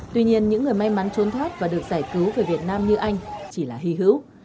tuy nhiên những người may mắn trốn thoát và được giải cứu về việt nam như anh chỉ là hy hữu